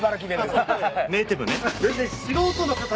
ネーティブね。